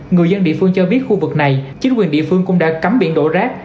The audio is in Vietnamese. người dân địa phương cho biết khu vực này chính quyền địa phương cũng đã cấm biển đổ rác